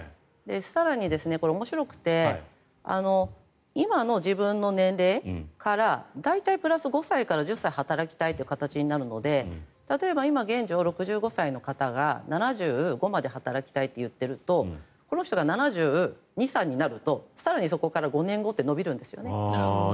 更に、これ面白くて今の自分の年齢から大体プラス５歳から１０歳働きたいという形になるので例えば今、現状６５歳の方が７５歳まで働きたいと言っているとこの人が７２歳になると更にそこから５年後って延びるんですよね。